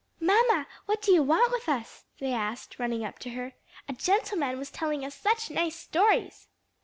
"Mamma, what do you want with us?" they asked, running up to her. "A gentleman was telling us such nice stories."